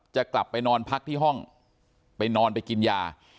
จะกลับไปนอนพักที่ห้องไปนอนไปกินยา